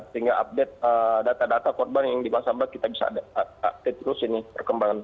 sehingga update data data korban yang di masambak kita bisa update terus ini perkembangan